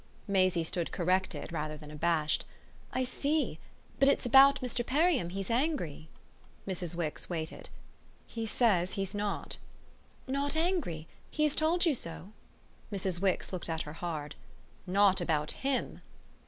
Maisie stood corrected rather than abashed. "I see. But it's about Mr. Perriam he's angry?" Mrs. Wix waited. "He says he's not." "Not angry? He has told you so?" Mrs. Wix looked at her hard. "Not about HIM!"